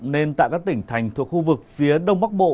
nên tại các tỉnh thành thuộc khu vực phía đông bắc bộ